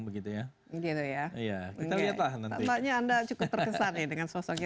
kita lihat lah nanti